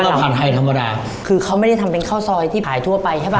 ผัดไทยธรรมดาคือเขาไม่ได้ทำเป็นข้าวซอยที่ขายทั่วไปใช่ป่